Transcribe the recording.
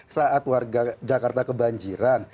saat warga jakarta kebanjiran